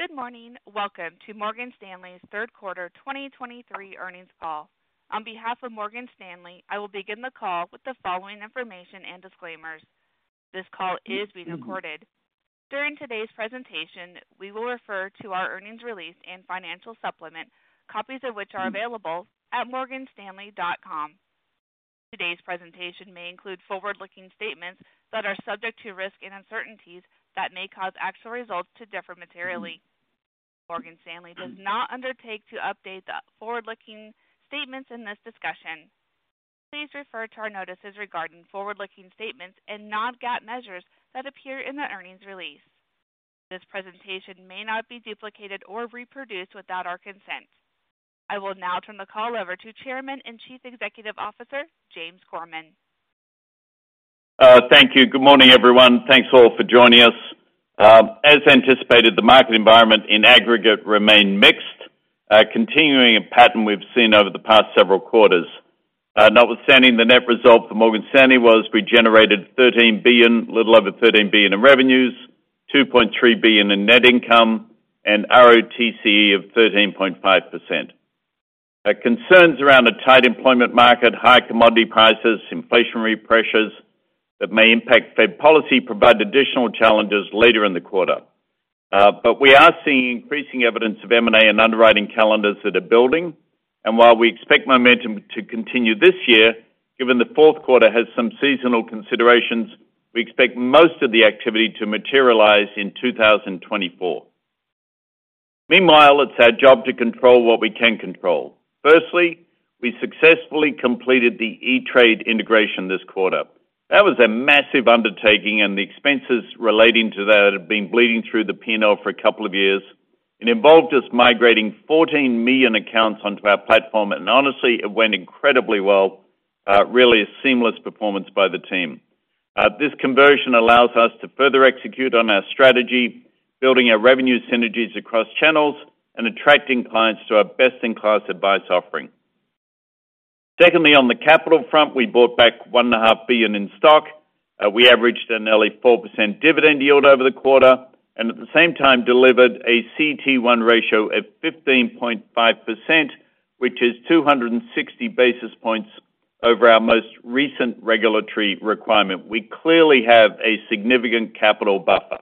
Good morning. Welcome to Morgan Stanley's third quarter 2023 earnings call. On behalf of Morgan Stanley, I will begin the call with the following information and disclaimers. This call is being recorded. During today's presentation, we will refer to our earnings release and financial supplement, copies of which are available at morganstanley.com. Today's presentation may include forward-looking statements that are subject to risks and uncertainties that may cause actual results to differ materially. Morgan Stanley does not undertake to update the forward-looking statements in this discussion. Please refer to our notices regarding forward-looking statements and non-GAAP measures that appear in the earnings release. This presentation may not be duplicated or reproduced without our consent. I will now turn the call over to Chairman and Chief Executive Officer, James Gorman. Thank you. Good morning, everyone. Thanks all for joining us. As anticipated, the market environment in aggregate remained mixed, continuing a pattern we've seen over the past several quarters. Notwithstanding, the net result for Morgan Stanley was we generated $13 billion, a little over $13 billion in revenues, $2.3 billion in net income, and ROTCE of 13.5%. Concerns around the tight employment market, high commodity prices, inflationary pressures that may impact Fed policy provided additional challenges later in the quarter. But we are seeing increasing evidence of M&A and underwriting calendars that are building, and while we expect momentum to continue this year, given the fourth quarter has some seasonal considerations, we expect most of the activity to materialize in 2024. Meanwhile, it's our job to control what we can control. Firstly, we successfully completed the E*TRADE integration this quarter. That was a massive undertaking, and the expenses relating to that have been bleeding through the P&L for a couple of years. It involved us migrating 14 million accounts onto our platform, and honestly, it went incredibly well. Really a seamless performance by the team. This conversion allows us to further execute on our strategy, building our revenue synergies across channels and attracting clients to our best-in-class advice offering. Secondly, on the capital front, we bought back $1.5 billion in stock. We averaged a nearly 4% dividend yield over the quarter, and at the same time delivered a CET1 ratio of 15.5%, which is 260 basis points over our most recent regulatory requirement. We clearly have a significant capital buffer.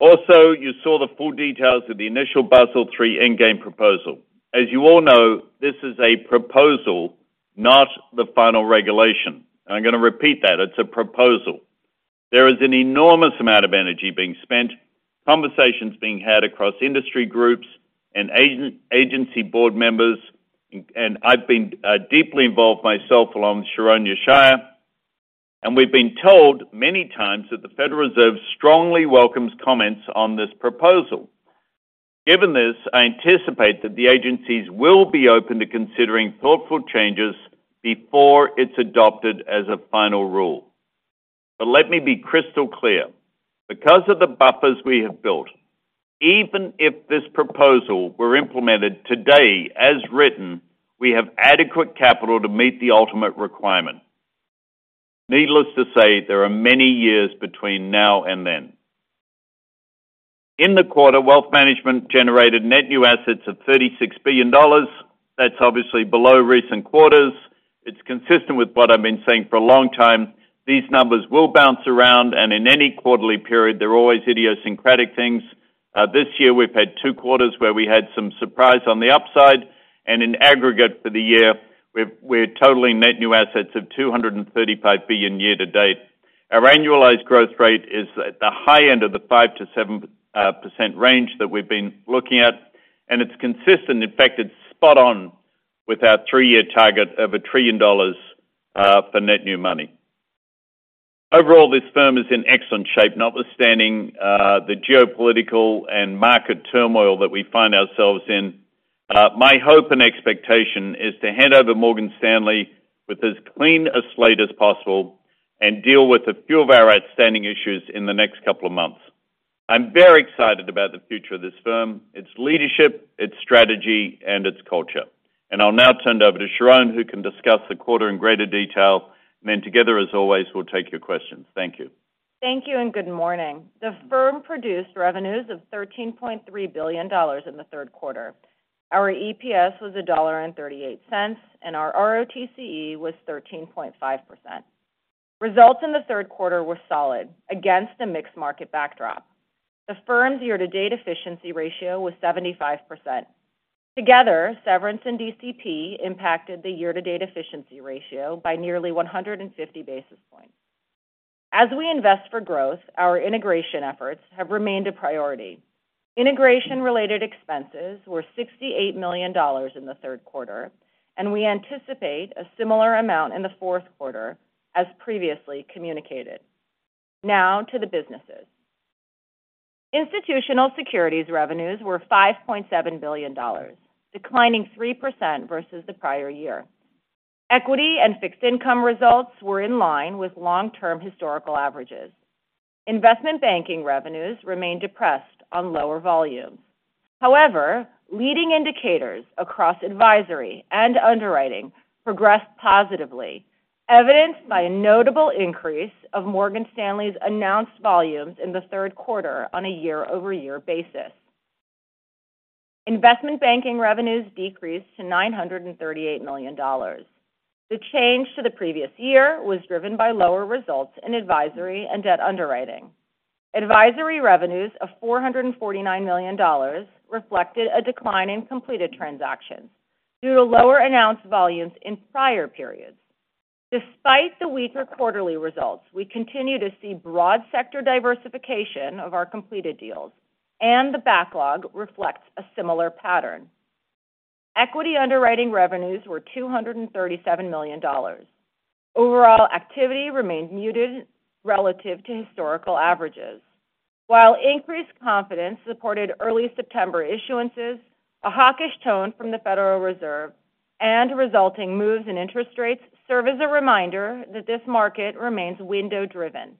Also, you saw the full details of the initial Basel III Endgame proposal. As you all know, this is a proposal, not the final regulation. I'm gonna repeat that. It's a proposal. There is an enormous amount of energy being spent, conversations being had across industry groups and agency board members, and I've been deeply involved myself, along with Sharon Yeshaya, and we've been told many times that the Federal Reserve strongly welcomes comments on this proposal. Given this, I anticipate that the agencies will be open to considering thoughtful changes before it's adopted as a final rule. But let me be crystal clear: because of the buffers we have built, even if this proposal were implemented today as written, we have adequate capital to meet the ultimate requirement. Needless to say, there are many years between now and then. In the quarter, Wealth Management generated net new assets of $36 billion. That's obviously below recent quarters. It's consistent with what I've been saying for a long time. These numbers will bounce around, and in any quarterly period, there are always idiosyncratic things. This year, we've had two quarters where we had some surprise on the upside, and in aggregate for the year, we're totaling net new assets of $235 billion year to date. Our annualized growth rate is at the high end of the 5%-7% range that we've been looking at, and it's consistent. In fact, it's spot on with our three-year target of $1 trillion for net new money. Overall, this firm is in excellent shape, notwithstanding the geopolitical and market turmoil that we find ourselves in. My hope and expectation is to hand over Morgan Stanley with as clean a slate as possible and deal with a few of our outstanding issues in the next couple of months. I'm very excited about the future of this firm, its leadership, its strategy, and its culture. And I'll now turn it over to Sharon, who can discuss the quarter in greater detail. Then together, as always, we'll take your questions. Thank you. Thank you, and good morning. The firm produced revenues of $13.3 billion in the third quarter. Our EPS was $1.38, and our ROTCE was 13.5%. Results in the third quarter were solid against a mixed market backdrop. The firm's year-to-date efficiency ratio was 75%. Together, severance and DCP impacted the year-to-date efficiency ratio by nearly 150 basis points. As we invest for growth, our integration efforts have remained a priority. Integration-related expenses were $68 million in the third quarter, and we anticipate a similar amount in the fourth quarter as previously communicated. Now to the businesses. Institutional Securities revenues were $5.7 billion, declining 3% versus the prior year. Equity and fixed income results were in line with long-term historical averages. Investment banking revenues remained depressed on lower volumes.... However, leading indicators across advisory and underwriting progressed positively, evidenced by a notable increase of Morgan Stanley's announced volumes in the third quarter on a year-over-year basis. Investment banking revenues decreased to $938 million. The change to the previous year was driven by lower results in advisory and debt underwriting. Advisory revenues of $449 million reflected a decline in completed transactions due to lower announced volumes in prior periods. Despite the weaker quarterly results, we continue to see broad sector diversification of our completed deals, and the backlog reflects a similar pattern. Equity underwriting revenues were $237 million. Overall activity remained muted relative to historical averages. While increased confidence supported early September issuances, a hawkish tone from the Federal Reserve and resulting moves in interest rates serve as a reminder that this market remains window-driven.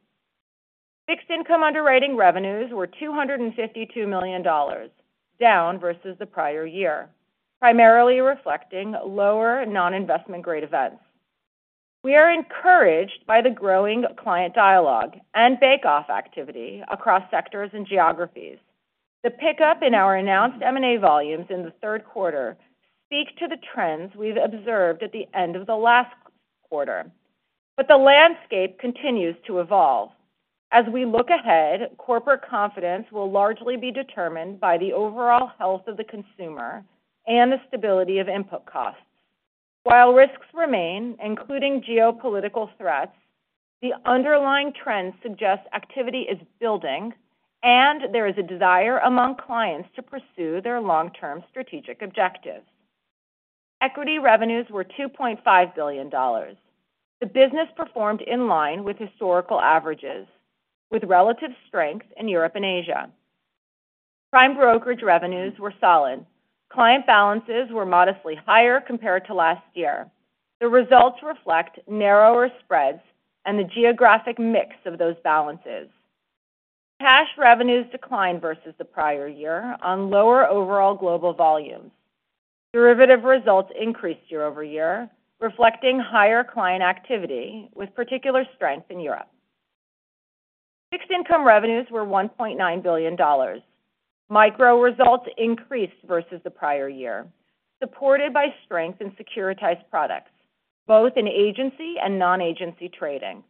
Fixed income underwriting revenues were $252 million, down versus the prior year, primarily reflecting lower non-investment-grade events. We are encouraged by the growing client dialogue and bake-off activity across sectors and geographies. The pickup in our announced M&A volumes in the third quarter speak to the trends we've observed at the end of the last quarter. But the landscape continues to evolve. As we look ahead, corporate confidence will largely be determined by the overall health of the consumer and the stability of input costs. While risks remain, including geopolitical threats, the underlying trends suggest activity is building, and there is a desire among clients to pursue their long-term strategic objectives. Equity revenues were $2.5 billion. The business performed in line with historical averages, with relative strength in Europe and Asia. Prime brokerage revenues were solid. Client balances were modestly higher compared to last year. The results reflect narrower spreads and the geographic mix of those balances. Cash revenues declined versus the prior year on lower overall global volumes. Derivative results increased year-over-year, reflecting higher client activity, with particular strength in Europe. Fixed income revenues were $1.9 billion. Micro results increased versus the prior year, supported by strength in securitized products, both in agency and non-agency trading.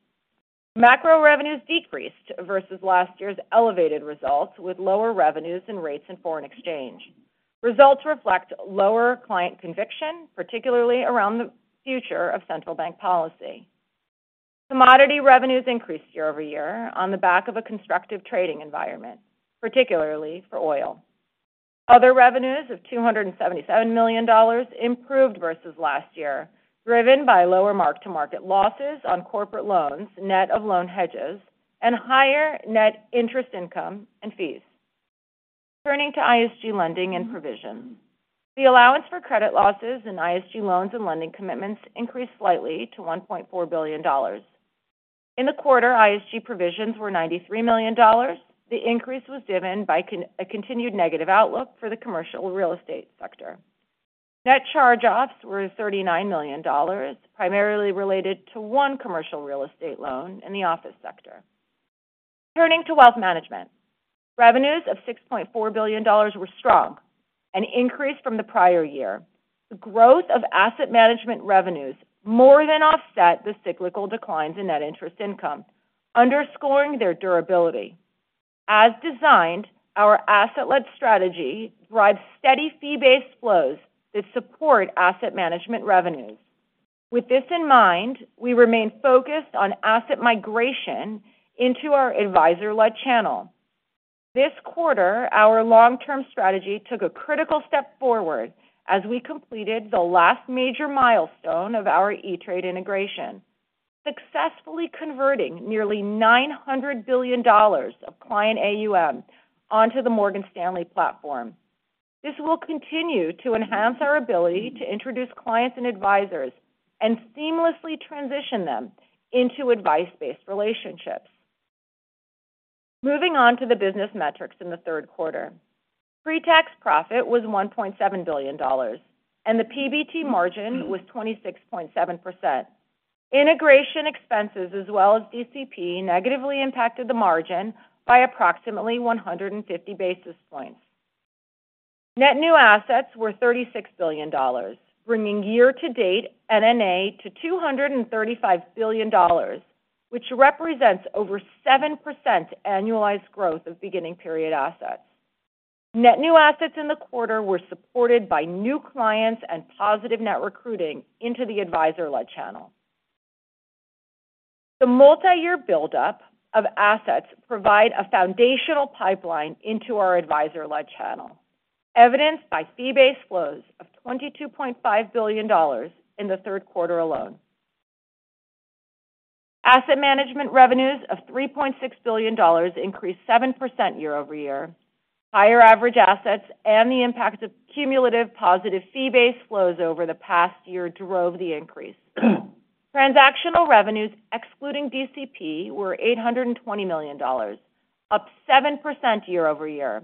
Macro revenues decreased versus last year's elevated results, with lower revenues and rates in foreign exchange. Results reflect lower client conviction, particularly around the future of central bank policy. Commodity revenues increased year-over-year on the back of a constructive trading environment, particularly for oil. Other revenues of $277 million improved versus last year, driven by lower mark-to-market losses on corporate loans, net of loan hedges and higher net interest income and fees. Turning to ISG lending and provision. The allowance for credit losses in ISG loans and lending commitments increased slightly to $1.4 billion. In the quarter, ISG provisions were $93 million. The increase was driven by a continued negative outlook for the commercial real estate sector. Net charge-offs were $39 million, primarily related to one commercial real estate loan in the office sector. Turning to wealth management. Revenues of $6.4 billion were strong, an increase from the prior year. The growth of asset management revenues more than offset the cyclical declines in net interest income, underscoring their durability. As designed, our asset-led strategy drives steady fee-based flows that support asset management revenues. With this in mind, we remain focused on asset migration into our advisor-led channel. This quarter, our long-term strategy took a critical step forward as we completed the last major milestone of our E*TRADE integration, successfully converting nearly $900 billion of client AUM onto the Morgan Stanley platform. This will continue to enhance our ability to introduce clients and advisors and seamlessly transition them into advice-based relationships. Moving on to the business metrics in the third quarter. Pre-tax profit was $1.7 billion, and the PBT margin was 26.7%. Integration expenses, as well as DCP, negatively impacted the margin by approximately 150 basis points. Net new assets were $36 billion, bringing year-to-date NNA to $235 billion, which represents over 7% annualized growth of beginning period assets. Net new assets in the quarter were supported by new clients and positive net recruiting into the advisor-led channel. The multiyear buildup of assets provide a foundational pipeline into our advisor-led channel, evidenced by fee-based flows of $22.5 billion in the third quarter alone. Asset management revenues of $3.6 billion increased 7% year-over-year. Higher average assets and the impact of cumulative positive fee-based flows over the past year drove the increase.... Transactional revenues, excluding DCP, were $820 million, up 7% year-over-year.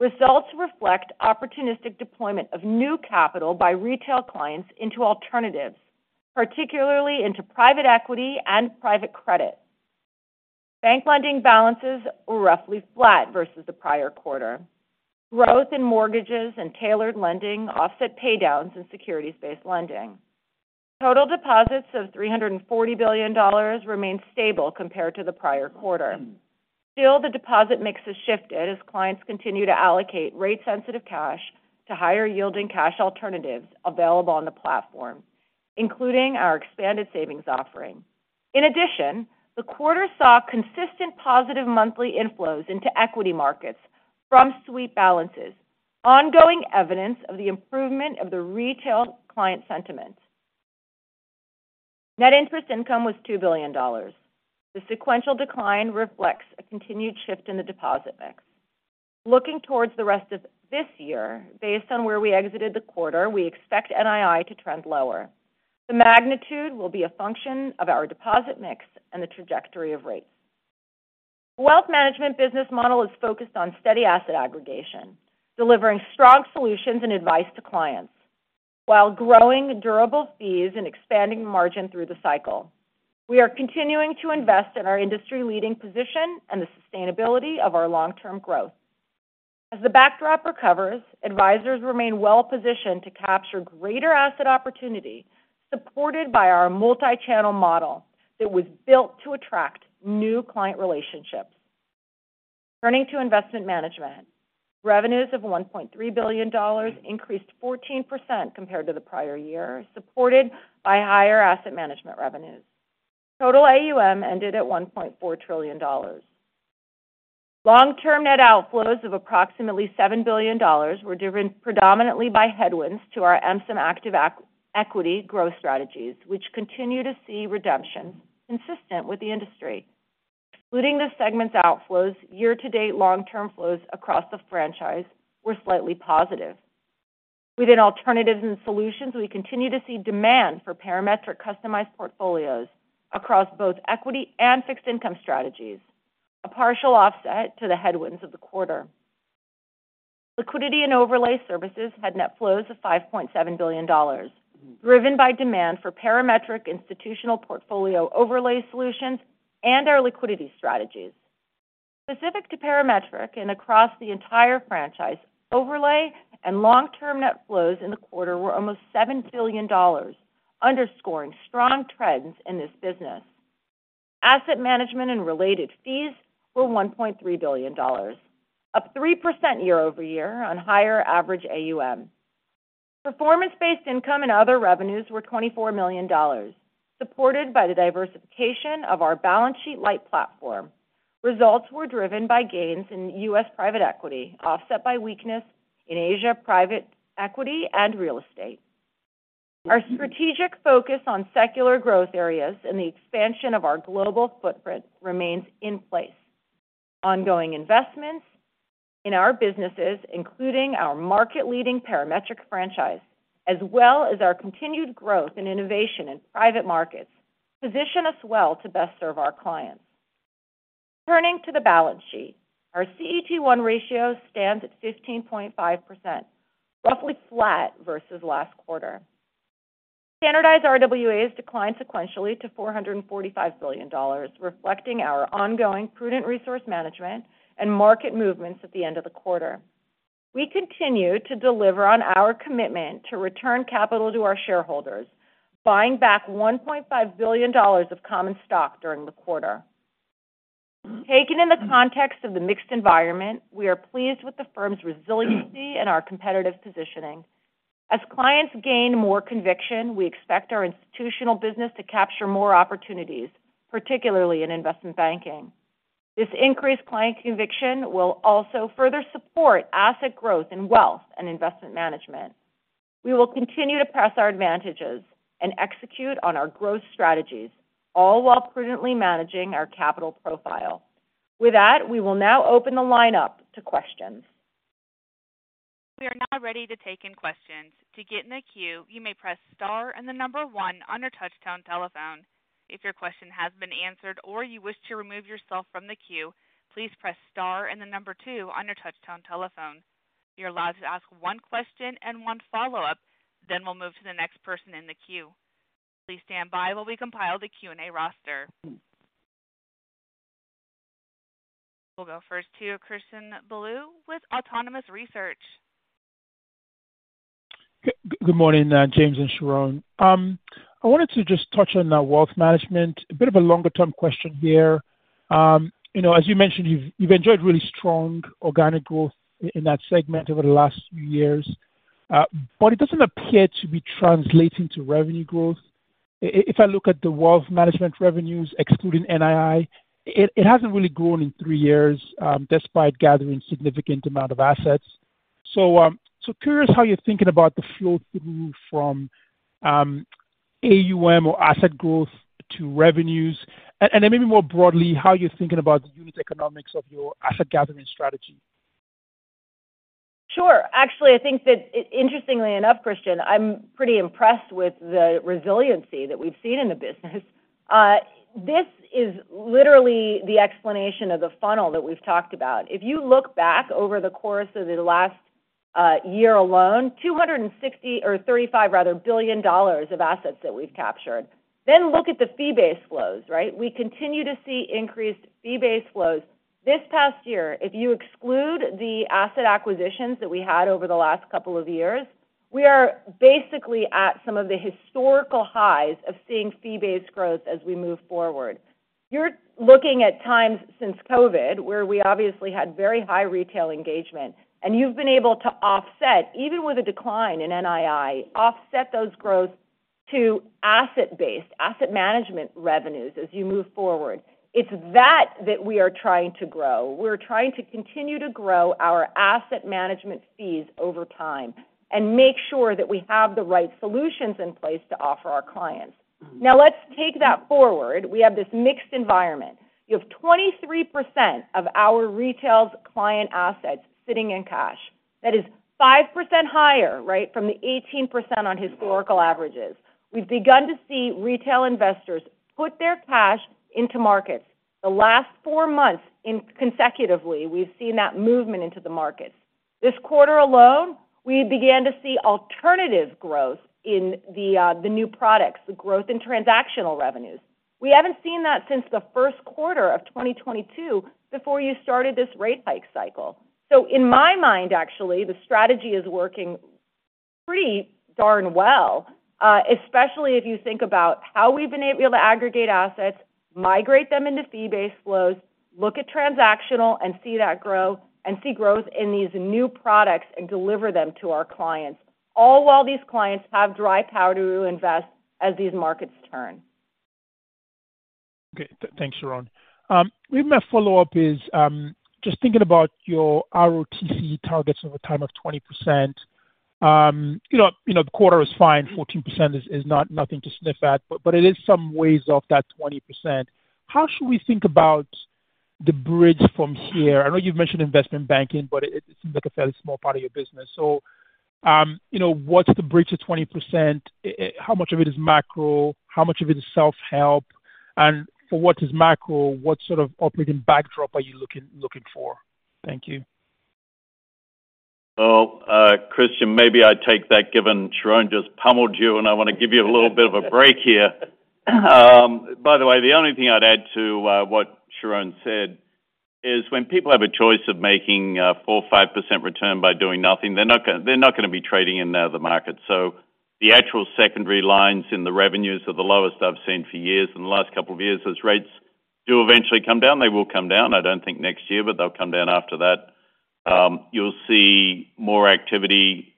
Results reflect opportunistic deployment of new capital by retail clients into alternatives, particularly into private equity and private credit. Bank lending balances were roughly flat versus the prior quarter. Growth in mortgages and tailored lending offset paydowns in securities-based lending. Total deposits of $340 billion remained stable compared to the prior quarter. Still, the deposit mix has shifted as clients continue to allocate rate-sensitive cash to higher yielding cash alternatives available on the platform, including our expanded savings offering. In addition, the quarter saw consistent positive monthly inflows into equity markets from sweep balances, ongoing evidence of the improvement in the retail client sentiment. Net interest income was $2 billion. The sequential decline reflects a continued shift in the deposit mix. Looking towards the rest of this year, based on where we exited the quarter, we expect NII to trend lower. The magnitude will be a function of our deposit mix and the trajectory of rates. The wealth management business model is focused on steady asset aggregation, delivering strong solutions and advice to clients, while growing durable fees and expanding margin through the cycle. We are continuing to invest in our industry-leading position and the sustainability of our long-term growth. As the backdrop recovers, advisors remain well positioned to capture greater asset opportunity, supported by our multi-channel model that was built to attract new client relationships. Turning to investment management. Revenues of $1.3 billion increased 14% compared to the prior year, supported by higher asset management revenues. Total AUM ended at $1.4 trillion. Long-term net outflows of approximately $7 billion were driven predominantly by headwinds to our MS active equity growth strategies, which continue to see redemption consistent with the industry. Excluding the segment's outflows, year-to-date long-term flows across the franchise were slightly positive. Within alternatives and solutions, we continue to see demand for Parametric customized portfolios across both equity and fixed income strategies, a partial offset to the headwinds of the quarter. Liquidity and overlay services had net flows of $5.7 billion, driven by demand for Parametric institutional portfolio overlay solutions and our liquidity strategies. Specific to Parametric and across the entire franchise, overlay and long-term net flows in the quarter were almost $7 billion, underscoring strong trends in this business. Asset management and related fees were $1.3 billion, up 3% year-over-year on higher average AUM. Performance-based income and other revenues were $24 million, supported by the diversification of our balance sheet-light platform. Results were driven by gains in U.S. private equity, offset by weakness in Asia private equity and real estate. Our strategic focus on secular growth areas and the expansion of our global footprint remains in place. Ongoing investments in our businesses, including our market-leading Parametric franchise, as well as our continued growth and innovation in private markets, position us well to best serve our clients. Turning to the balance sheet. Our CET1 ratio stands at 15.5%, roughly flat versus last quarter. Standardized RWAs declined sequentially to $445 billion, reflecting our ongoing prudent resource management and market movements at the end of the quarter. We continue to deliver on our commitment to return capital to our shareholders, buying back $1.5 billion of common stock during the quarter. Taking in the context of the mixed environment, we are pleased with the firm's resiliency and our competitive positioning. As clients gain more conviction, we expect our institutional business to capture more opportunities, particularly in investment banking. This increased client conviction will also further support asset growth in wealth and investment management. We will continue to press our advantages and execute on our growth strategies, all while prudently managing our capital profile. With that, we will now open the line up to questions. We are now ready to take in questions. To get in the queue, you may press star and the number one on your touchtone telephone. If your question has been answered or you wish to remove yourself from the queue, please press star and the number two on your touchtone telephone. You're allowed to ask one question and one follow-up, then we'll move to the next person in the queue. Please stand by while we compile the Q&A roster. We'll go first to Christian Bolu with Autonomous Research. Good morning, James and Sharon. I wanted to just touch on wealth management. A bit of a longer-term question here. You know, as you mentioned, you've enjoyed really strong organic growth in that segment over the last few years, but it doesn't appear to be translating to revenue growth. If I look at the wealth management revenues, excluding NII, it hasn't really grown in three years, despite gathering significant amount of assets. So curious how you're thinking about the flow through from AUM or asset growth to revenues, and then maybe more broadly, how you're thinking about the unit economics of your asset gathering strategy?... Actually, I think that interestingly enough, Christian, I'm pretty impressed with the resiliency that we've seen in the business. This is literally the explanation of the funnel that we've talked about. If you look back over the course of the last year alone, $235 billion of assets that we've captured. Then look at the fee-based flows, right? We continue to see increased fee-based flows. This past year, if you exclude the asset acquisitions that we had over the last couple of years, we are basically at some of the historical highs of seeing fee-based growth as we move forward. You're looking at times since COVID, where we obviously had very high retail engagement, and you've been able to offset, even with a decline in NII, offset those growth to asset-based, asset management revenues as you move forward. It's that, that we are trying to grow. We're trying to continue to grow our asset management fees over time and make sure that we have the right solutions in place to offer our clients. Now, let's take that forward. We have this mixed environment. You have 23% of our retail client assets sitting in cash. That is 5% higher, right, from the 18% on historical averages. We've begun to see retail investors put their cash into markets. The last four months consecutively, we've seen that movement into the markets. This quarter alone, we began to see alternative growth in the, the new products, the growth in transactional revenues. We haven't seen that since the first quarter of 2022, before you started this rate hike cycle. In my mind, actually, the strategy is working pretty darn well, especially if you think about how we've been able to aggregate assets, migrate them into fee-based flows, look at transactional and see that grow, and see growth in these new products and deliver them to our clients, all while these clients have dry powder to invest as these markets turn. Okay. Thanks, Sharon. Maybe my follow-up is just thinking about your ROTCE targets over time of 20%. You know, you know, the quarter is fine. 14% is not nothing to sniff at, but it is some ways off that 20%. How should we think about the bridge from here? I know you've mentioned investment banking, but it seems like a fairly small part of your business. So, you know, what's the bridge to 20%? How much of it is macro? How much of it is self-help? And for what is macro, what sort of operating backdrop are you looking for? Thank you. Well, Christian, maybe I'd take that, given Sharon just pummeled you, and I want to give you a little bit of a break here. By the way, the only thing I'd add to what Sharon said is when people have a choice of making a 4% or 5% return by doing nothing, they're not going to be trading in out of the market. So the actual secondary lines in the revenues are the lowest I've seen for years, in the last couple of years. As rates do eventually come down, they will come down, I don't think next year, but they'll come down after that. You'll see more activity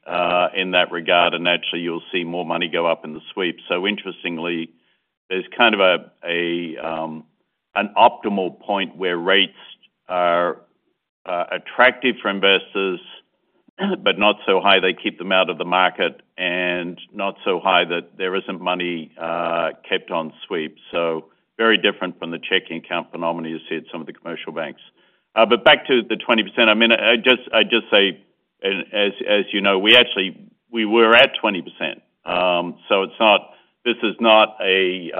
in that regard, and naturally, you'll see more money go up in the sweep. So interestingly, there's kind of an optimal point where rates are attractive for investors, but not so high they keep them out of the market and not so high that there isn't money kept on sweep. So very different from the checking account phenomena you see at some of the commercial banks. But back to the 20%, I mean, I say, and as you know, we actually, we were at 20%. So it's not, this is not a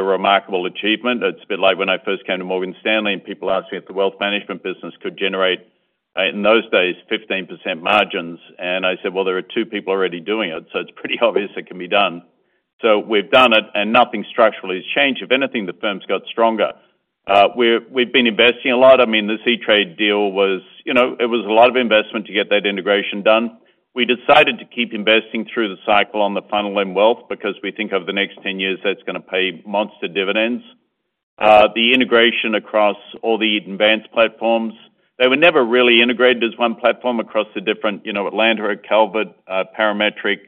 remarkable achievement. It's a bit like when I first came to Morgan Stanley, and people asked me if the wealth management business could generate, in those days, 15% margins, and I said, "Well, there are two people already doing it," so it's pretty obvious it can be done. So we've done it, and nothing structurally has changed. If anything, the firm's got stronger. We've been investing a lot. I mean, the E*TRADE deal was, you know, it was a lot of investment to get that integration done. We decided to keep investing through the cycle on the funnel and wealth because we think over the next 10 years, that's going to pay monster dividends. The integration across all the Eaton Vance platforms, they were never really integrated as one platform across the different, you know, Atlanta, Calvert, Parametric,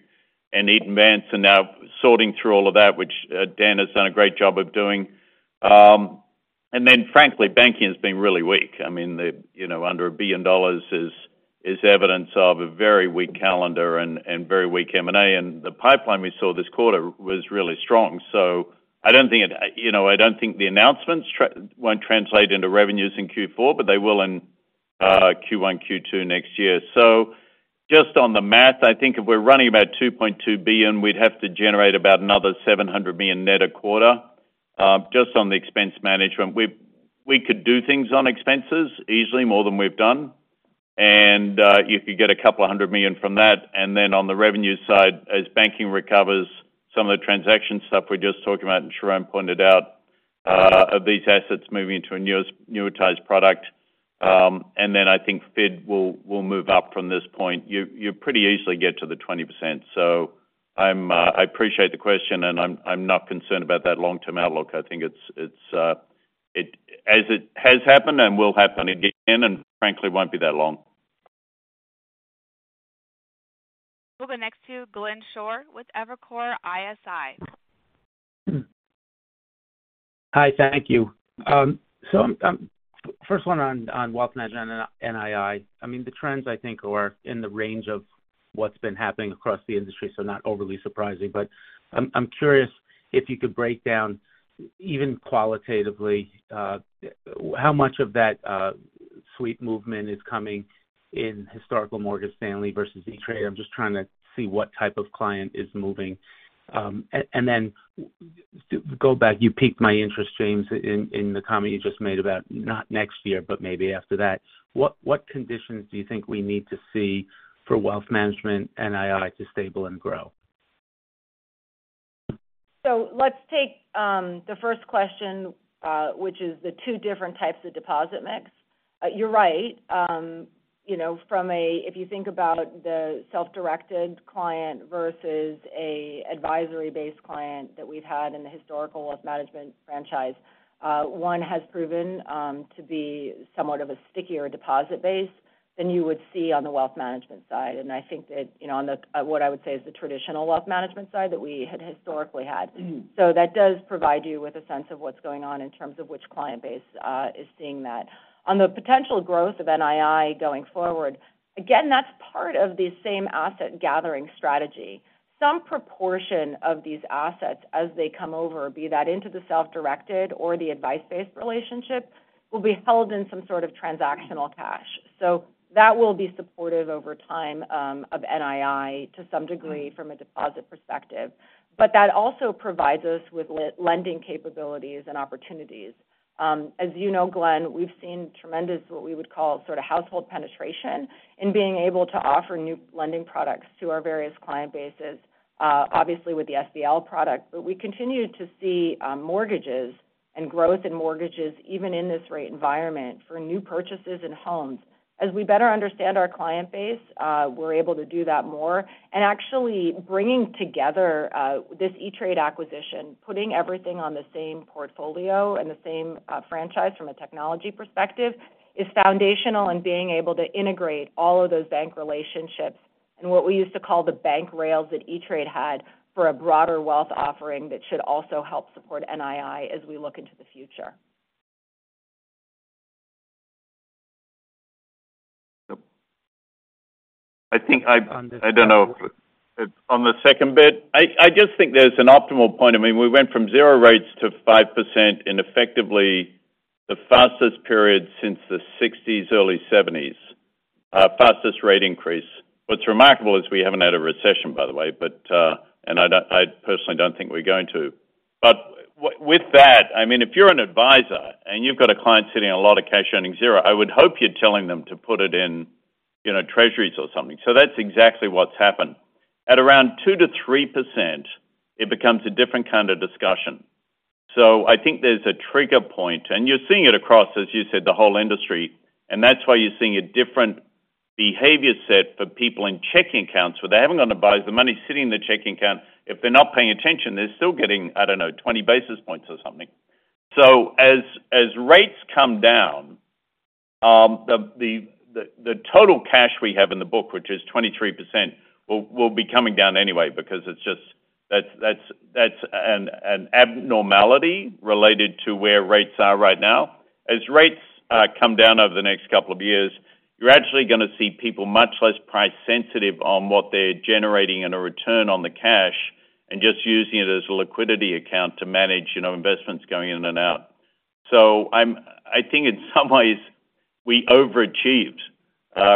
and Eaton Vance, and now sorting through all of that, which, Dan has done a great job of doing. And then frankly, banking has been really weak. I mean, you know, under $1 billion is evidence of a very weak calendar and very weak M&A, and the pipeline we saw this quarter was really strong. So I don't think it, you know, I don't think the announcements won't translate into revenues in Q4, but they will in Q1, Q2 next year. So just on the math, I think if we're running about $2.2 billion, we'd have to generate about another $700 million net a quarter, just on the expense management. We could do things on expenses easily, more than we've done. And you could get a couple of $100 million from that. Then on the revenue side, as banking recovers, some of the transaction stuff we just talked about, and Sharon pointed out, of these assets moving into a securitized product, and then I think FICC will move up from this point. You pretty easily get to the 20%. So I appreciate the question, and I'm not concerned about that long-term outlook. I think it's as it has happened and will happen again, and frankly, it won't be that long. We'll go next to Glenn Schorr with Evercore ISI. Hi, thank you. So, first one on wealth management and NII. I mean, the trends, I think, are in the range of-... what's been happening across the industry, so not overly surprising. But I'm curious if you could break down, even qualitatively, how much of that sweep movement is coming in historical Morgan Stanley versus E*TRADE. I'm just trying to see what type of client is moving. And then to go back, you piqued my interest, James, in the comment you just made about not next year, but maybe after that. What conditions do you think we need to see for wealth management NII to stable and grow? So let's take the first question, which is the two different types of deposit mix. You're right, you know, from if you think about the self-directed client versus a advisory-based client that we've had in the historical wealth management franchise, one has proven to be somewhat of a stickier deposit base than you would see on the wealth management side. And I think that, you know, on the what I would say is the traditional wealth management side that we had historically had. So that does provide you with a sense of what's going on in terms of which client base is seeing that. On the potential growth of NII going forward, again, that's part of the same asset gathering strategy. Some proportion of these assets, as they come over, be that into the self-directed or the advice-based relationship, will be held in some sort of transactional cash. So that will be supportive over time, of NII to some degree from a deposit perspective. But that also provides us with lending capabilities and opportunities. As you know, Glenn, we've seen tremendous, what we would call sort of household penetration, in being able to offer new lending products to our various client bases, obviously, with the SBL product. But we continue to see, mortgages and growth in mortgages, even in this rate environment, for new purchases in homes. As we better understand our client base, we're able to do that more. And actually, bringing together, this E*TRADE acquisition, putting everything on the same portfolio and the same, franchise from a technology perspective, is foundational in being able to integrate all of those bank relationships and what we used to call the bank rails that E*TRADE had for a broader wealth offering that should also help support NII as we look into the future. I think I don't know. On the second bit, I just think there's an optimal point. I mean, we went from 0% rates to 5% in effectively the fastest period since the 1960s, early 1970s, fastest rate increase. What's remarkable is we haven't had a recession, by the way, but and I don't, I personally don't think we're going to. But with that, I mean, if you're an advisor and you've got a client sitting on a lot of cash earning 0%, I would hope you're telling them to put it in, you know, treasuries or something. So that's exactly what's happened. At around 2%-3%, it becomes a different kind of discussion. So I think there's a trigger point, and you're seeing it across, as you said, the whole industry, and that's why you're seeing a different behavior set for people in checking accounts, where they haven't got an advisor. The money is sitting in the checking account. If they're not paying attention, they're still getting, I don't know, 20 basis points or something. So as rates come down, the total cash we have in the book, which is 23%, will be coming down anyway because it's just... That's an abnormality related to where rates are right now. As rates come down over the next couple of years, you're actually going to see people much less price-sensitive on what they're generating in a return on the cash and just using it as a liquidity account to manage, you know, investments going in and out. So I think in some ways we overachieved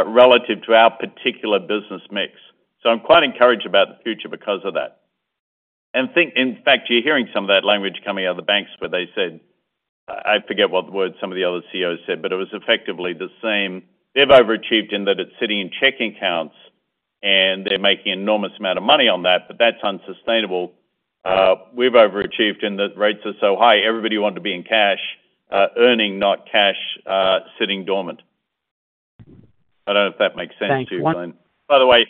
relative to our particular business mix. So I'm quite encouraged about the future because of that. And think, in fact, you're hearing some of that language coming out of the banks, where they said... I forget what the word some of the other CEOs said, but it was effectively the same. They've overachieved in that it's sitting in checking accounts, and they're making an enormous amount of money on that, but that's unsustainable. We've overachieved in that rates are so high, everybody wanted to be in cash, earning, not cash, sitting dormant. I don't know if that makes sense to you, Glenn. Thanks, one- By the way,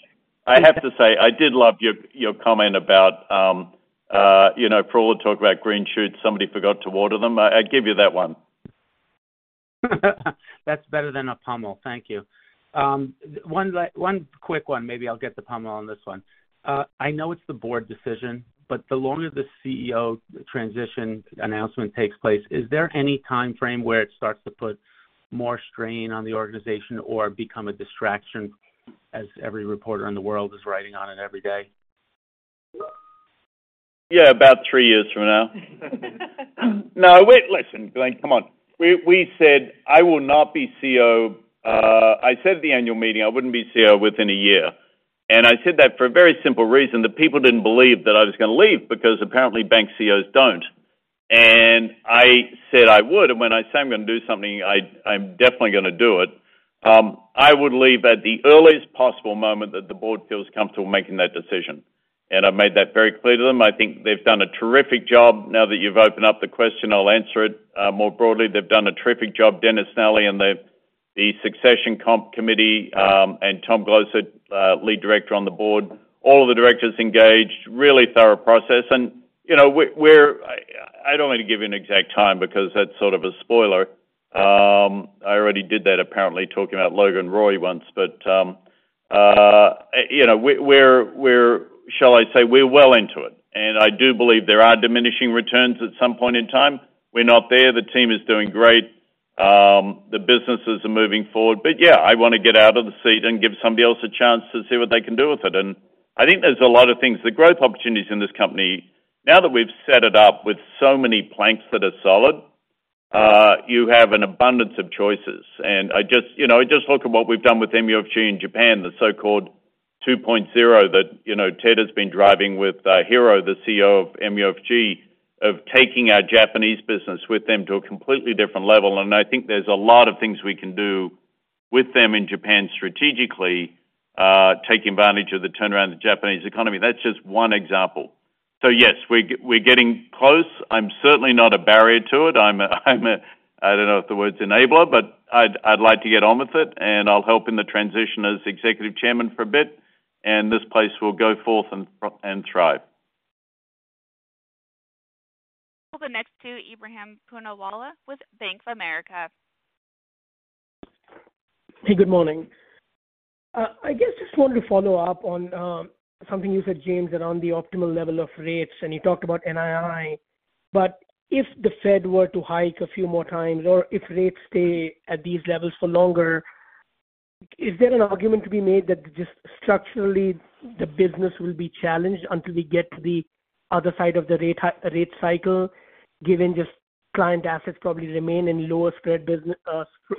I have to say, I did love your, your comment about, you know, for all the talk about green shoots, somebody forgot to water them. I, I give you that one. That's better than a pummel. Thank you. One quick one, maybe I'll get the pummel on this one. I know it's the Board decision, but the longer the CEO transition announcement takes place, is there any time frame where it starts to put more strain on the organization or become a distraction, as every reporter in the world is writing on it every day? Yeah, about three years from now. No, wait, listen, Glenn, come on. We, we said I will not be CEO. I said at the annual meeting I wouldn't be CEO within a year. And I said that for a very simple reason, that people didn't believe that I was going to leave, because apparently, bank CEOs don't. And I said I would, and when I say I'm going to do something, I, I'm definitely going to do it. I would leave at the earliest possible moment that the board feels comfortable making that decision, and I made that very clear to them. I think they've done a terrific job. Now that you've opened up the question, I'll answer it more broadly. They've done a terrific job, Dennis Nally and the Succession Comp committee, and Tom Glocer, lead director on the board. All of the directors engaged, really thorough process. You know, we're—I don't want to give you an exact time because that's sort of a spoiler. I already did that, apparently, talking about Logan Roy once. But, you know, we're, shall I say, well into it, and I do believe there are diminishing returns at some point in time. We're not there. The team is doing great. The businesses are moving forward. But yeah, I want to get out of the seat and give somebody else a chance to see what they can do with it. And I think there's a lot of things. The growth opportunities in this company, now that we've set it up with so many planks that are solid, you have an abundance of choices. And I just, you know, just look at what we've done with MUFG in Japan, the so-called 2.0, that, you know, Ted has been driving with Hiro, the CEO of MUFG, of taking our Japanese business with them to a completely different level. And I think there's a lot of things we can do with them in Japan strategically, taking advantage of the turnaround of the Japanese economy. That's just one example. So yes, we're getting close. I'm certainly not a barrier to it. I'm a, I'm a, I don't know if the word's enabler, but I'd, I'd like to get on with it, and I'll help in the transition as executive chairman for a bit, and this place will go forth and thrive. The next to Ebrahim Poonawala with Bank of America. Hey, good morning. I guess just wanted to follow up on something you said, James, around the optimal level of rates, and you talked about NII. But if the Fed were to hike a few more times, or if rates stay at these levels for longer, is there an argument to be made that just structurally, the business will be challenged until we get to the other side of the rate cycle, given just client assets probably remain in lower spread business,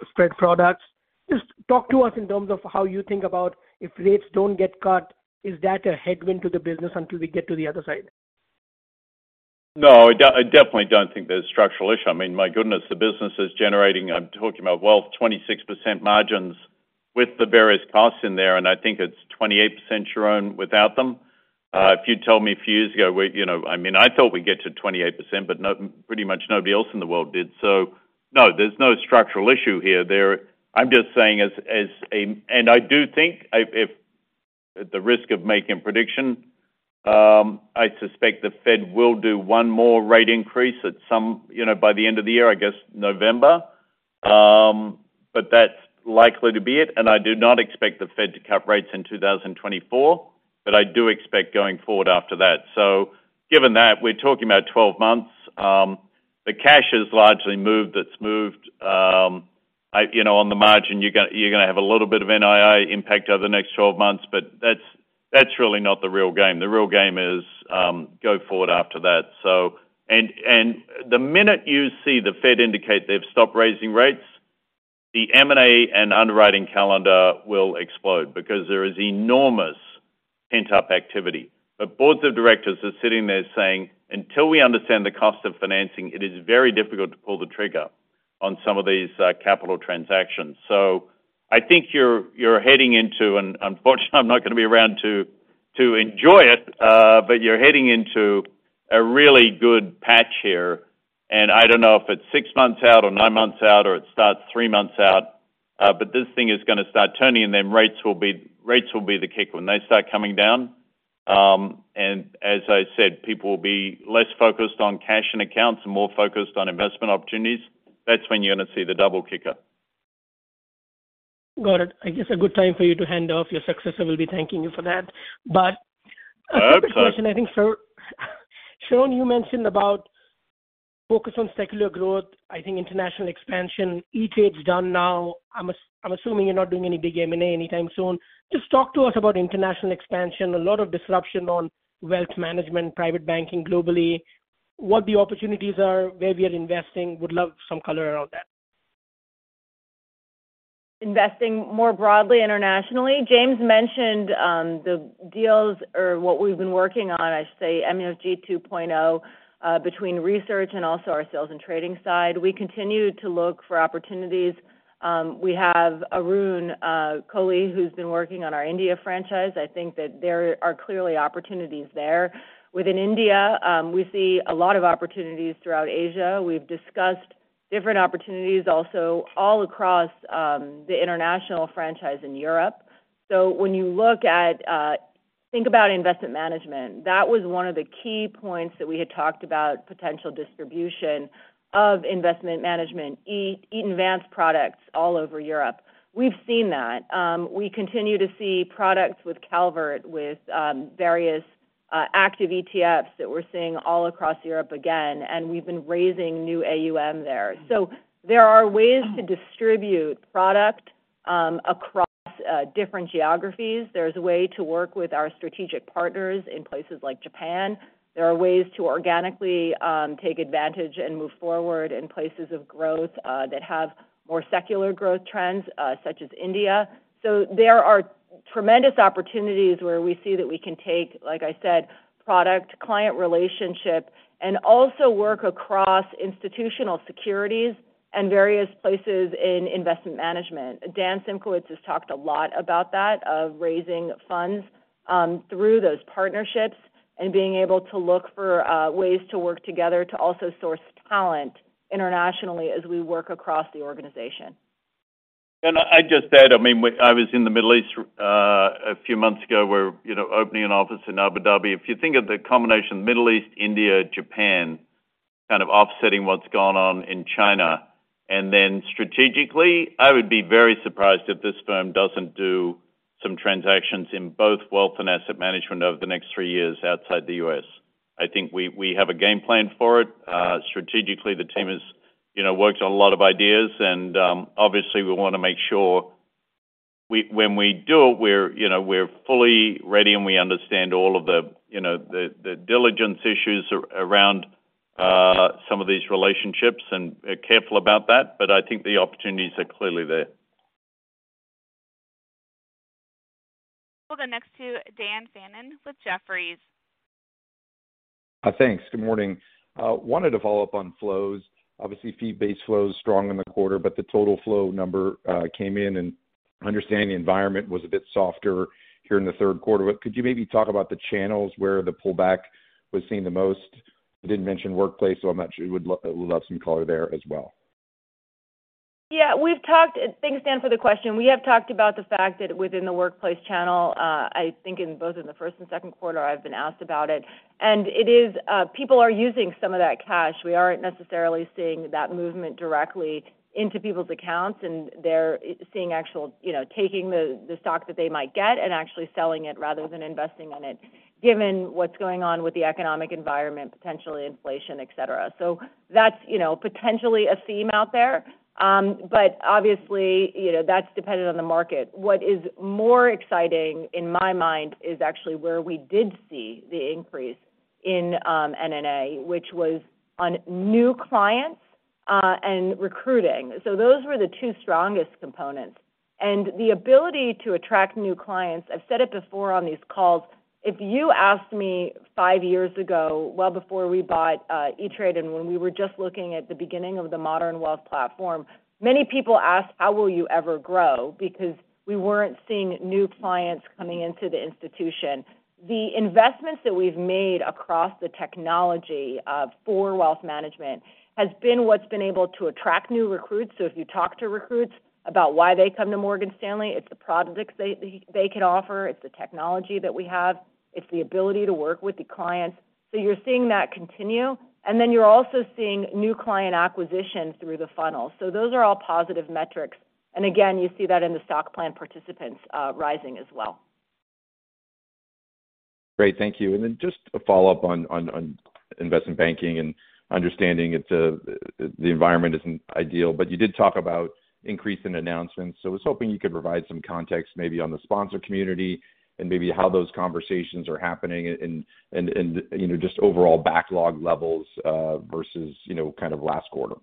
spread products? Just talk to us in terms of how you think about if rates don't get cut, is that a headwind to the business until we get to the other side? No, I definitely don't think there's a structural issue. I mean, my goodness, the business is generating, I'm talking about wealth, 26% margins with the various costs in there, and I think it's 28%, Sharon, without them. If you'd told me a few years ago, we, you know... I mean, I thought we'd get to 28%, but no, pretty much nobody else in the world did. So no, there's no structural issue here. I'm just saying as a, and I do think if, at the risk of making a prediction, I suspect the Fed will do one more rate increase at some, you know, by the end of the year, I guess November. But that's likely to be it, and I do not expect the Fed to cut rates in 2024, but I do expect going forward after that. So given that, we're talking about 12 months. The cash has largely moved. It's moved, you know, on the margin, you're gonna have a little bit of NII impact over the next 12 months, but that's, that's really not the real game. The real game is, go forward after that. So, and, and the minute you see the Fed indicate they've stopped raising rates, the M&A and underwriting calendar will explode because there is enormous pent-up activity. But boards of directors are sitting there saying, "Until we understand the cost of financing, it is very difficult to pull the trigger on some of these, capital transactions." So I think you're heading into, and unfortunately, I'm not gonna be around to enjoy it, but you're heading into a really good patch here. And I don't know if it's six months out or nine months out, or it starts three months out, but this thing is gonna start turning, and then rates will be the kicker. When they start coming down, and as I said, people will be less focused on cash and accounts and more focused on investment opportunities. That's when you're gonna see the double kicker. Got it. I guess a good time for you to hand off. Your successor will be thanking you for that. But- Oh, okay. A quick question, I think, Sharon, you mentioned about focus on secular growth, I think international expansion. E*TRADE's done now. I'm assuming you're not doing any big M&A anytime soon. Just talk to us about international expansion. A lot of disruption on wealth management, private banking globally. What the opportunities are, where we are investing. Would love some color around that. Investing more broadly internationally, James mentioned the deals or what we've been working on, I say, MUFG 2.0, between research and also our sales and trading side. We continue to look for opportunities. We have Arun Kohli, who's been working on our India franchise. I think that there are clearly opportunities there. Within India, we see a lot of opportunities throughout Asia. We've discussed different opportunities also all across the international franchise in Europe. So when you look at think about investment management, that was one of the key points that we had talked about, potential distribution of investment management, Eaton Vance products all over Europe. We've seen that. We continue to see products with Calvert, with various active ETFs that we're seeing all across Europe again, and we've been raising new AUM there. So there are ways to distribute product across different geographies. There's a way to work with our strategic partners in places like Japan. There are ways to organically take advantage and move forward in places of growth that have more secular growth trends such as India. So there are tremendous opportunities where we see that we can take, like I said, product, client relationship, and also work across institutional securities and various places in investment management. Dan Simkowitz has talked a lot about that, of raising funds through those partnerships and being able to look for ways to work together to also source talent internationally as we work across the organization. Can I just add, I mean, I was in the Middle East a few months ago. We're, you know, opening an office in Abu Dhabi. If you think of the combination of Middle East, India, Japan, kind of offsetting what's gone on in China, and then strategically, I would be very surprised if this firm doesn't do- ... some transactions in both wealth and asset management over the next three years outside the U.S. I think we, we have a game plan for it. Strategically, the team has, you know, worked on a lot of ideas, and obviously, we want to make sure when we do it, we're, you know, we're fully ready, and we understand all of the, you know, the diligence issues around some of these relationships and are careful about that, but I think the opportunities are clearly there. We'll go next to Dan Fannon with Jefferies. Thanks. Good morning. Wanted to follow up on flows. Obviously, fee-based flow is strong in the quarter, but the total flow number came in, and understanding the environment was a bit softer here in the third quarter. But could you maybe talk about the channels where the pullback was seen the most? You didn't mention Workplace, so I'm not sure. Would love some color there as well. Yeah, we've talked... Thanks, Dan, for the question. We have talked about the fact that within the Workplace channel, I think in both the first and second quarter, I've been asked about it. And it is, people are using some of that cash. We aren't necessarily seeing that movement directly into people's accounts, and they're seeing actual, you know, taking the stock that they might get and actually selling it rather than investing on it, given what's going on with the economic environment, potentially inflation, et cetera. So that's, you know, potentially a theme out there. But obviously, you know, that's dependent on the market. What is more exciting in my mind is actually where we did see the increase in NNA, which was on new clients and recruiting. So those were the two strongest components. And the ability to attract new clients. I've said it before on these calls. If you asked me five years ago, well, before we bought E*TRADE, and when we were just looking at the beginning of the modern wealth platform, many people asked, "How will you ever grow?" Because we weren't seeing new clients coming into the institution. The investments that we've made across the technology for wealth management has been what's been able to attract new recruits. So if you talk to recruits about why they come to Morgan Stanley, it's the products they, they can offer, it's the technology that we have, it's the ability to work with the clients. So you're seeing that continue, and then you're also seeing new client acquisitions through the funnel. So those are all positive metrics. And again, you see that in the stock plan participants rising as well. Great. Thank you. And then just a follow-up on investment banking and understanding it's the environment isn't ideal, but you did talk about increase in announcements. So I was hoping you could provide some context, maybe on the sponsor community, and maybe how those conversations are happening and you know, just overall backlog levels versus you know, kind of last quarter.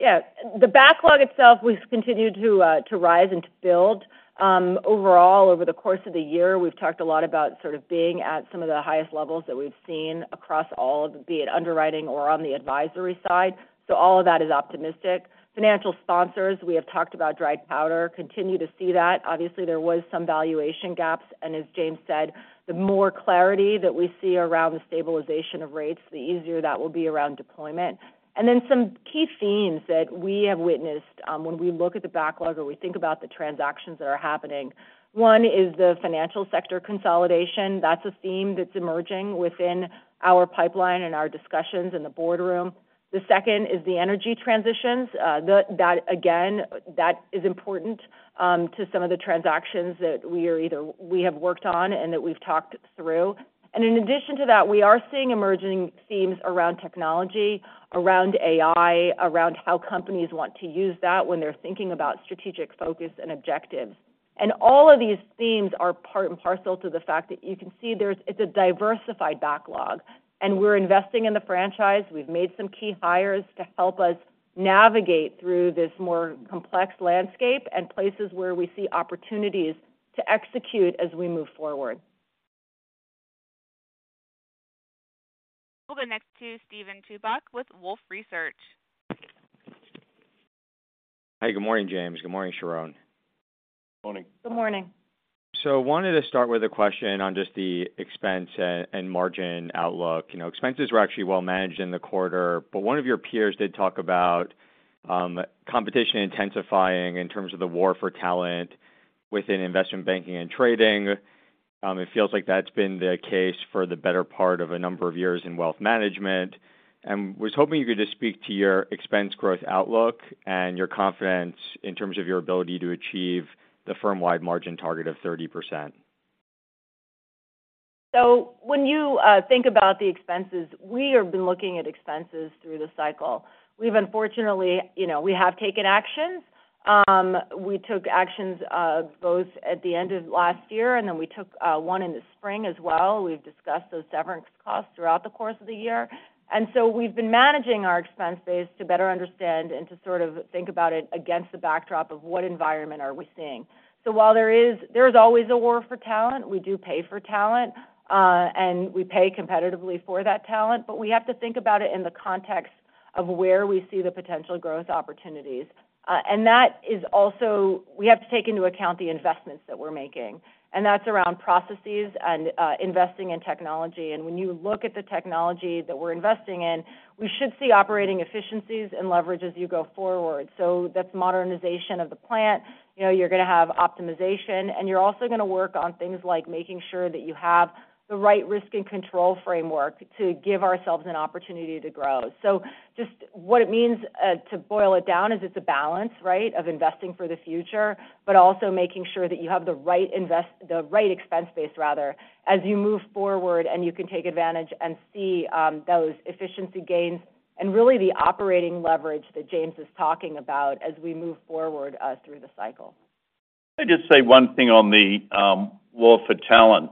Yeah. The backlog itself has continued to rise and to build. Overall, over the course of the year, we've talked a lot about sort of being at some of the highest levels that we've seen across all, be it underwriting or on the advisory side. So all of that is optimistic. Financial sponsors, we have talked about dry powder, continue to see that. Obviously, there was some valuation gaps, and as James said, the more clarity that we see around the stabilization of rates, the easier that will be around deployment. And then some key themes that we have witnessed, when we look at the backlog or we think about the transactions that are happening, one is the financial sector consolidation. That's a theme that's emerging within our pipeline and our discussions in the boardroom. The second is the energy transitions. That, again, that is important to some of the transactions that we are either we have worked on and that we've talked through. And in addition to that, we are seeing emerging themes around technology, around AI, around how companies want to use that when they're thinking about strategic focus and objectives. And all of these themes are part and parcel to the fact that you can see it's a diversified backlog, and we're investing in the franchise. We've made some key hires to help us navigate through this more complex landscape and places where we see opportunities to execute as we move forward. We'll go next to Steven Chubak with Wolfe Research. Hi, good morning, James. Good morning, Sharon. Morning. Good morning. I wanted to start with a question on just the expense and margin outlook. You know, expenses were actually well managed in the quarter, but one of your peers did talk about competition intensifying in terms of the war for talent within investment banking and trading. It feels like that's been the case for the better part of a number of years in wealth management. And was hoping you could just speak to your expense growth outlook and your confidence in terms of your ability to achieve the firm-wide margin target of 30%. So when you think about the expenses, we have been looking at expenses through the cycle. We've unfortunately- you know, we have taken action. We took actions both at the end of last year, and then we took one in the spring as well. We've discussed those severance costs throughout the course of the year. And so we've been managing our expense base to better understand and to sort of think about it against the backdrop of what environment are we seeing. So while there is- there is always a war for talent, we do pay for talent, and we pay competitively for that talent, but we have to think about it in the context of where we see the potential growth opportunities. And that is also... We have to take into account the investments that we're making, and that's around processes and investing in technology. And when you look at the technology that we're investing in, we should see operating efficiencies and leverage as you go forward. So that's modernization of the plant. You know, you're going to have optimization, and you're also going to work on things like making sure that you have the right risk and control framework to give ourselves an opportunity to grow. So just what it means to boil it down is it's a balance, right? Of investing for the future, but also making sure that you have the right expense base, rather, as you move forward, and you can take advantage and see those efficiency gains and really the operating leverage that James is talking about as we move forward through the cycle.... Let me just say one thing on the war for talent.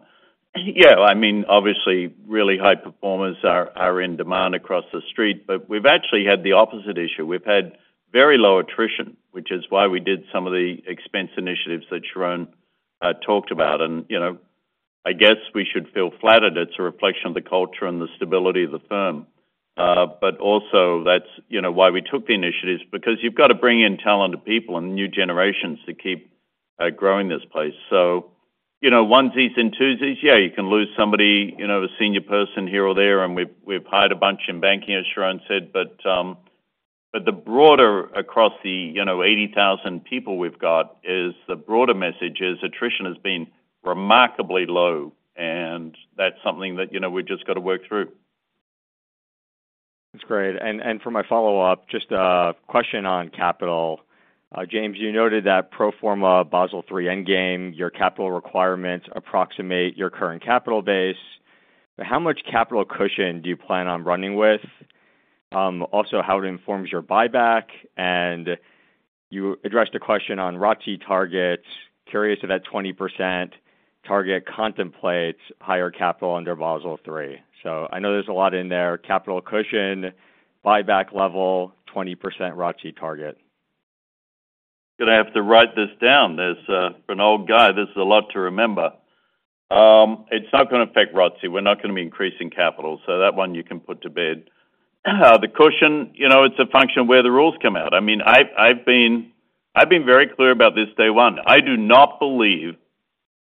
Yeah, I mean, obviously, really high performers are in demand across the street, but we've actually had the opposite issue. We've had very low attrition, which is why we did some of the expense initiatives that Sharon talked about. And, you know, I guess we should feel flattered. It's a reflection of the culture and the stability of the firm. But also that's, you know, why we took the initiatives, because you've got to bring in talented people and new generations to keep growing this place. So, you know, onesies and twosies, yeah, you can lose somebody, you know, a senior person here or there, and we've hired a bunch in banking, as Sharon said. But the broader across the, you know, 80,000 people we've got is the broader message is attrition has been remarkably low, and that's something that, you know, we've just got to work through. That's great. And, and for my follow-up, just a question on capital. James, you noted that pro forma Basel III Endgame, your capital requirements approximate your current capital base. But how much capital cushion do you plan on running with? Also, how it informs your buyback, and you addressed a question on ROTCE targets. Curious if that 20% target contemplates higher capital under Basel III. So I know there's a lot in there. Capital cushion, buyback level, 20% ROTCE target. Gonna have to write this down. There's, for an old guy, this is a lot to remember. It's not going to affect ROTCE. We're not going to be increasing capital, so that one you can put to bed. The cushion, you know, it's a function of where the rules come out. I mean, I've been very clear about this day one. I do not believe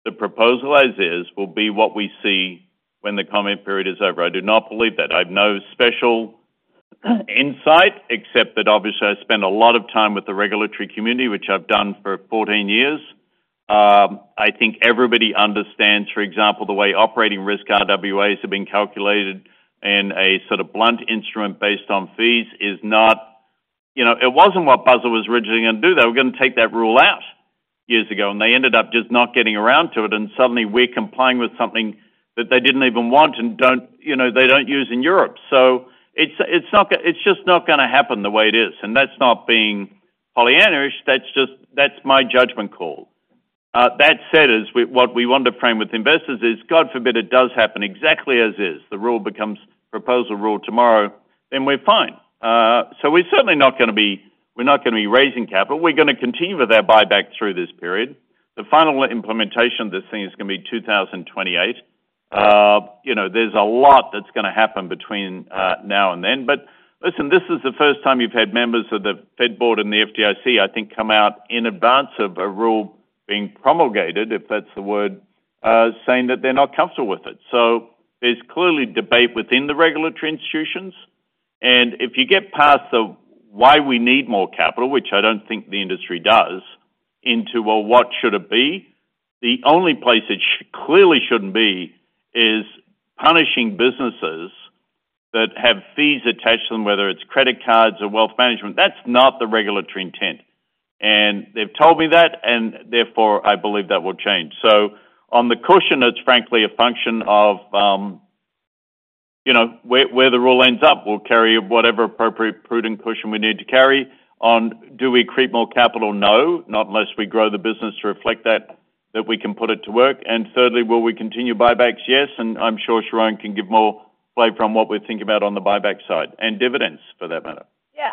the proposal as is will be what we see when the comment period is over. I do not believe that. I have no special insight, except that obviously, I spend a lot of time with the regulatory community, which I've done for 14 years. I think everybody understands, for example, the way operating risk RWAs have been calculated in a sort of blunt instrument based on fees is not... You know, it wasn't what Basel was originally going to do. They were going to take that rule out years ago, and they ended up just not getting around to it, and suddenly we're complying with something that they didn't even want and don't, you know, they don't use in Europe. So it's, it's not gonna happen the way it is. And that's not being pollyannaish, that's just, that's my judgment call. That said, what we want to frame with investors is, God forbid, it does happen exactly as is. The rule becomes proposed rule tomorrow, then we're fine. So we're certainly not gonna be raising capital. We're gonna continue with our buyback through this period. The final implementation of this thing is gonna be 2028. you know, there's a lot that's gonna happen between now and then. But listen, this is the first time you've had members of the Fed Board and the FDIC, I think, come out in advance of a rule being promulgated, if that's the word, saying that they're not comfortable with it. So there's clearly debate within the regulatory institutions. And if you get past the why we need more capital, which I don't think the industry does, into, well, what should it be? The only place it clearly shouldn't be is punishing businesses that have fees attached to them, whether it's credit cards or wealth management. That's not the regulatory intent, and they've told me that, and therefore, I believe that will change. So on the cushion, it's frankly a function of, you know, where the rule ends up. We'll carry whatever appropriate, prudent cushion we need to carry. One, do we create more capital? No, not unless we grow the business to reflect that, that we can put it to work. And thirdly, will we continue buybacks? Yes, and I'm sure Sharon can give more flavor on what we're thinking about on the buyback side and dividends, for that matter. Yeah,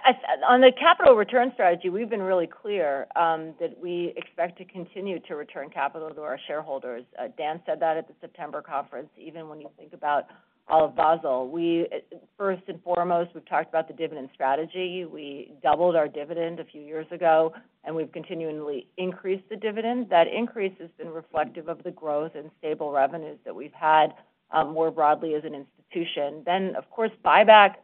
on the capital return strategy, we've been really clear that we expect to continue to return capital to our shareholders. Dan said that at the September conference. Even when you think about all of Basel, we, first and foremost, we've talked about the dividend strategy. We doubled our dividend a few years ago, and we've continually increased the dividend. That increase has been reflective of the growth and stable revenues that we've had, more broadly as an institution. Then, of course, buyback,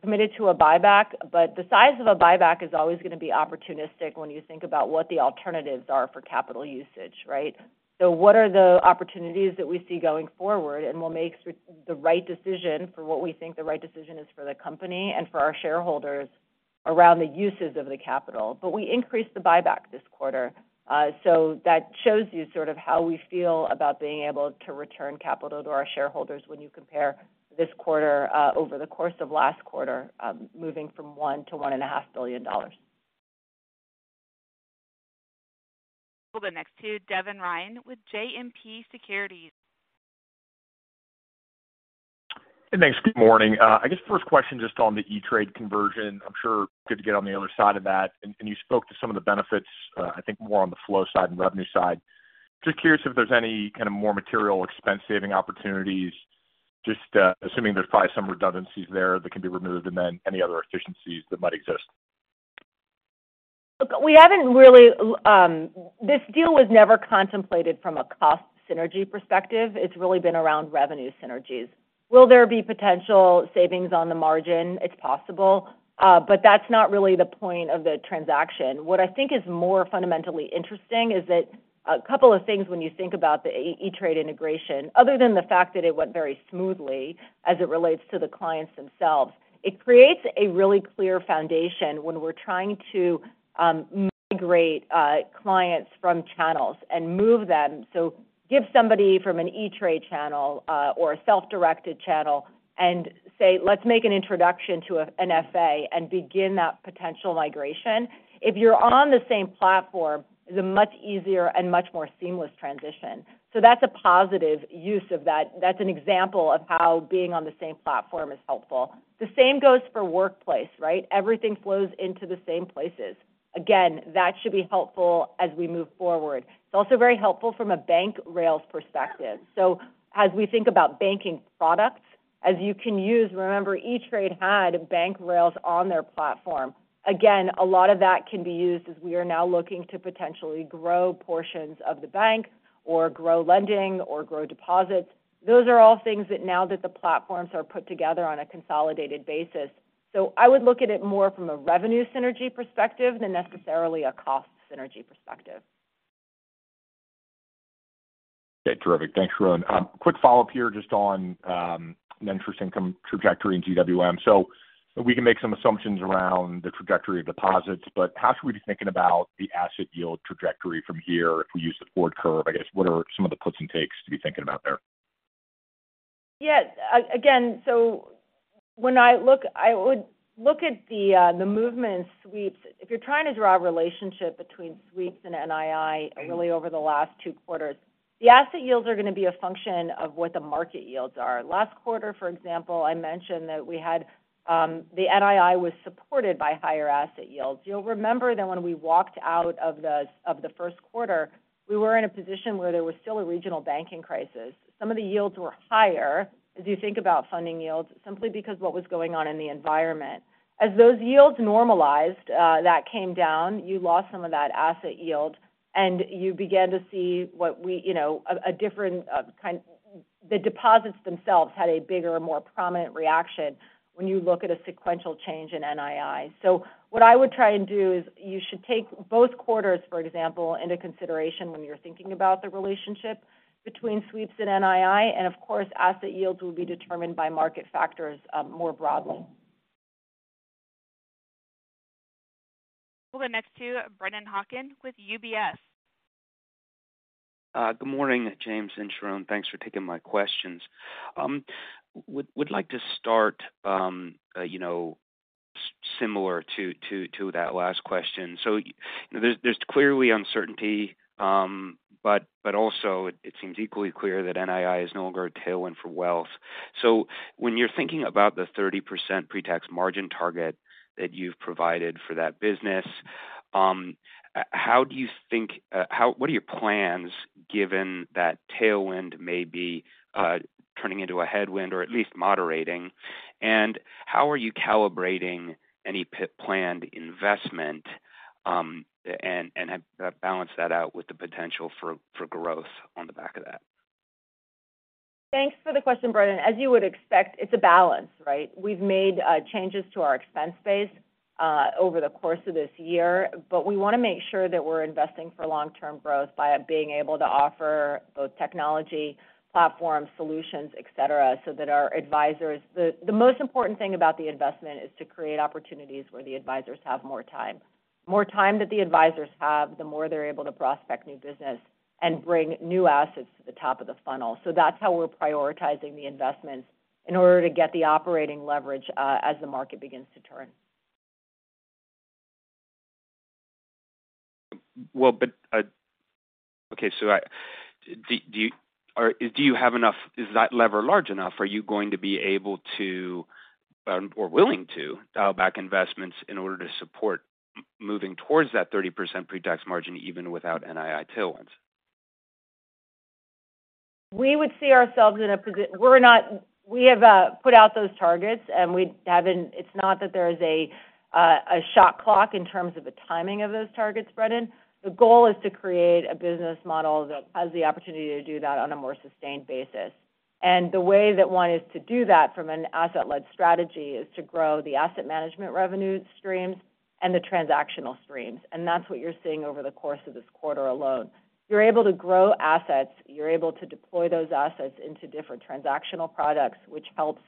committed to a buyback, but the size of a buyback is always going to be opportunistic when you think about what the alternatives are for capital usage, right? So what are the opportunities that we see going forward, and we'll make the right decision for what we think the right decision is for the company and for our shareholders around the uses of the capital. But we increased the buyback this quarter, so that shows you sort of how we feel about being able to return capital to our shareholders when you compare this quarter over the course of last quarter, moving from $1 billion to $1.5 billion. We'll go next to Devin Ryan with JMP Securities. Hey, thanks. Good morning. I guess first question, just on the E*TRADE conversion. I'm sure good to get on the other side of that. And you spoke to some of the benefits, I think more on the flow side and revenue side. Just curious if there's any kind of more material expense saving opportunities, just assuming there's probably some redundancies there that can be removed and then any other efficiencies that might exist?... Look, we haven't really, this deal was never contemplated from a cost synergy perspective. It's really been around revenue synergies. Will there be potential savings on the margin? It's possible, but that's not really the point of the transaction. What I think is more fundamentally interesting is that a couple of things when you think about the E*TRADE integration, other than the fact that it went very smoothly as it relates to the clients themselves, it creates a really clear foundation when we're trying to migrate clients from channels and move them. So give somebody from an E*TRADE channel or a self-directed channel and say, "Let's make an introduction to a, an FA," and begin that potential migration. If you're on the same platform, it's a much easier and much more seamless transition. So that's a positive use of that. That's an example of how being on the same platform is helpful. The same goes for Workplace, right? Everything flows into the same places. Again, that should be helpful as we move forward. It's also very helpful from a bank rails perspective. So as we think about banking products, as you can use, remember, E*TRADE had bank rails on their platform. Again, a lot of that can be used as we are now looking to potentially grow portions of the bank or grow lending or grow deposits. Those are all things that now that the platforms are put together on a consolidated basis. So I would look at it more from a revenue synergy perspective than necessarily a cost synergy perspective. Okay, terrific. Thanks, Sharon. Quick follow-up here, just on interest income trajectory in GWM. So we can make some assumptions around the trajectory of deposits, but how should we be thinking about the asset yield trajectory from here if we use the forward curve? I guess, what are some of the puts and takes to be thinking about there? Yeah. Again, so when I look... I would look at the movement in sweeps. If you're trying to draw a relationship between sweeps and NII really over the last two quarters, the asset yields are going to be a function of what the market yields are. Last quarter, for example, I mentioned that we had the NII was supported by higher asset yields. You'll remember that when we walked out of the first quarter, we were in a position where there was still a regional banking crisis. Some of the yields were higher, as you think about funding yields, simply because what was going on in the environment. As those yields normalized, that came down, you lost some of that asset yield, and you began to see what we, you know, a different kind, the deposits themselves had a bigger, more prominent reaction when you look at a sequential change in NII. So what I would try and do is you should take both quarters, for example, into consideration when you're thinking about the relationship between sweeps and NII, and of course, asset yields will be determined by market factors more broadly. We'll go next to Brennan Hawken with UBS. Good morning, James and Sharon. Thanks for taking my questions. Would like to start, you know, similar to that last question. So there's clearly uncertainty, but also it seems equally clear that NII is no longer a tailwind for wealth. So when you're thinking about the 30% pre-tax margin target that you've provided for that business, how do you think—what are your plans given that tailwind may be turning into a headwind, or at least moderating? And how are you calibrating any planned investment, and balance that out with the potential for growth on the back of that? Thanks for the question, Brennan. As you would expect, it's a balance, right? We've made changes to our expense base over the course of this year, but we want to make sure that we're investing for long-term growth by being able to offer both technology, platform, solutions, et cetera, so that our advisors... The most important thing about the investment is to create opportunities where the advisors have more time. More time that the advisors have, the more they're able to prospect new business and bring new assets to the top of the funnel. So that's how we're prioritizing the investments in order to get the operating leverage as the market begins to turn. Well, but okay, so do you have enough—is that lever large enough? Are you going to be able to or willing to dial back investments in order to support moving towards that 30% pre-tax margin, even without NII tailwinds? We would see ourselves in a position. We're not. We have put out those targets, and we haven't. It's not that there is a shot clock in terms of the timing of those targets, Brendan. The goal is to create a business model that has the opportunity to do that on a more sustained basis. And the way that one is to do that from an asset-led strategy is to grow the asset management revenue streams and the transactional streams, and that's what you're seeing over the course of this quarter alone. You're able to grow assets, you're able to deploy those assets into different transactional products, which helps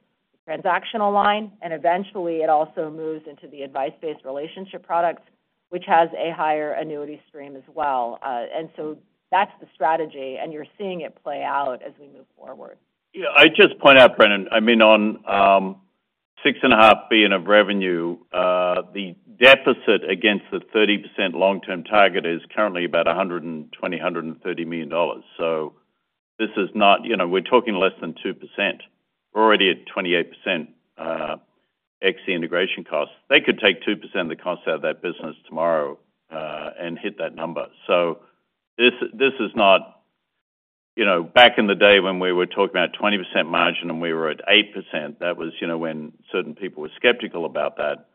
the transactional line, and eventually, it also moves into the advice-based relationship products, which has a higher annuity stream as well. And so that's the strategy, and you're seeing it play out as we move forward. Yeah, I'd just point out, Brendan, I mean, on six and a half billion of revenue, the deficit against the 30% long-term target is currently about $120 million-$130 million. So this is not... You know, we're talking less than 2%. We're already at 28%, ex the integration costs. They could take 2% of the cost out of that business tomorrow, and hit that number. So this, this is not-... You know, back in the day when we were talking about 20% margin and we were at 8%, that was, you know, when certain people were skeptical about that.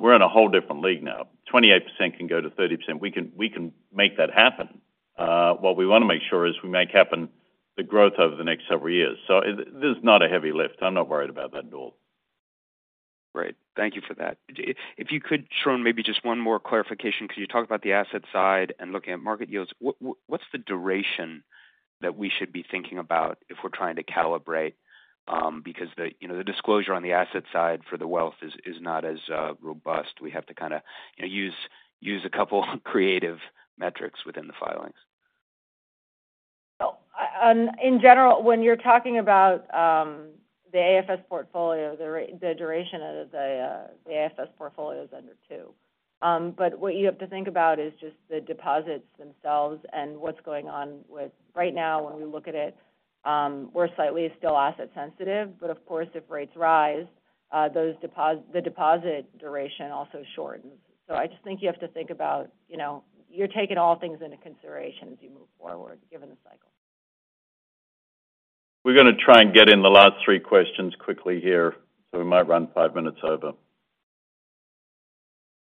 We're in a whole different league now. 28% can go to 30%. We can, we can make that happen. What we want to make sure is we make happen the growth over the next several years. So this is not a heavy lift. I'm not worried about that at all. Great. Thank you for that. If you could, Sharon, maybe just one more clarification, because you talked about the asset side and looking at market yields. What, what's the duration that we should be thinking about if we're trying to calibrate? Because, you know, the disclosure on the asset side for the wealth is not as robust. We have to kind of, you know, use a couple creative metrics within the filings. Well, in general, when you're talking about the AFS portfolio, the duration of the AFS portfolio is under two. But what you have to think about is just the deposits themselves and what's going on with... Right now, when we look at it, we're slightly still asset sensitive, but of course, if rates rise, the deposit duration also shortens. So I just think you have to think about, you know, you're taking all things into consideration as you move forward, given the cycle. We're going to try and get in the last three questions quickly here, so we might run five minutes over. Well,